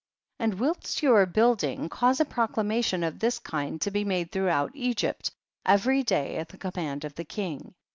11. And whilst you are building, cause a proclamation of this kind to be made throughout Egypt every day at the command of the king.